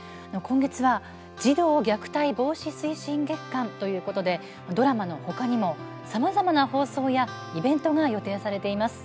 月間ということで、ドラマのほかにもさまざまな放送やイベントが予定されています。